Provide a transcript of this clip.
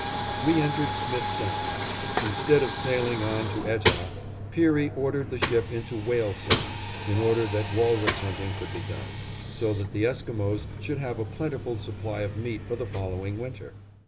We entered Smith Sound. Instead of sailing on to Etah, Peary ordered the ship into Whale Sound, in order that walrus hunting could be done, so that the Esquimos should have a plentiful supply of meat for the following winter.